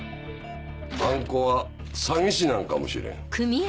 あん子は詐欺師なんかもしれん。